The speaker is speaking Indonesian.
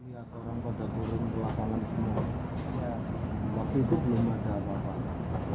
lihat orang pada turun ke lapangan semua waktu itu belum ada apa apa